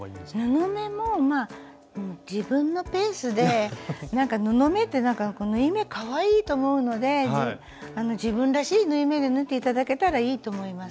布目も自分のペースで布目って縫い目かわいいと思うので自分らしい縫い目で縫って頂けたらいいと思います。